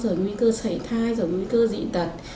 rồi nguy cơ xảy thai rồi nguy cơ dị tật